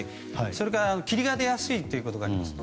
それから、霧が出やすいということがあります。